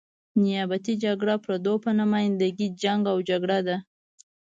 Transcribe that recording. نیابتي جګړه پردو په نماینده ګي جنګ او جګړه ده.